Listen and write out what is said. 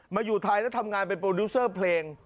อยู่ไทยแล้วทำงานเป็นโปรดิวเซอร์เพลง